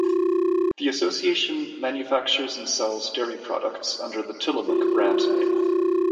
The association manufactures and sells dairy products under the "Tillamook" brand name.